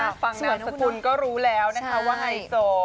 ฟังนามสกุลก็รู้แล้วนะคะว่าไฮโซ